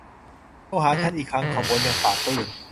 โทรหาฉันอีกครั้ง เขาบ่นอย่างปลาบปลื้ม